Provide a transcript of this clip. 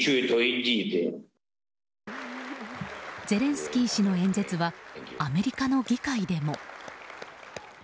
ゼレンスキー氏の演説はアメリカの議会でも。